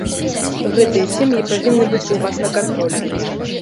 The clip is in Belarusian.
Гэтыя сем'і павінны быць у вас на кантролі.